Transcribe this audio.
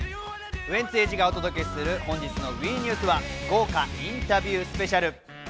ウエンツ瑛士がお届けする本日のＷＥニュースは豪華インタビュースペシャル。